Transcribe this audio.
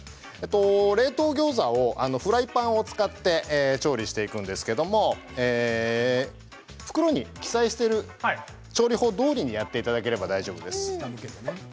冷凍ギョーザをフライパンを使って調理していくんですけれど袋に記載している調理法どおりにやっていただければ大丈夫です。